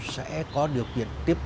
sẽ có điều kiện tiếp tục